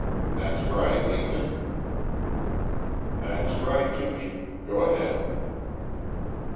That's right, ain't it?" "That's right, Jimmie. Go ahead."